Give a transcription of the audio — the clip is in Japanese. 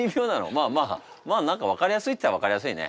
まあまあまあ何か分かりやすいっちゃ分かりやすいね。